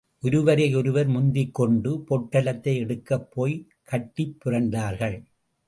ஒருவரை ஒருவர் முந்திக் கொண்டு, பொட்டலத்தை எடுக்கப் போய் கட்டிப் புரண்டார்கள்.